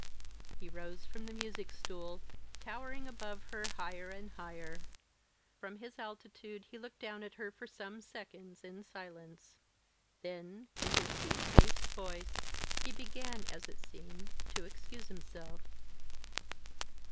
He rose from the music stool towering above her higher and higher. From his altitude he looked down at her for some seconds in silence. Then, in his deep bass voice, he began, as it seemed, to excuse himself.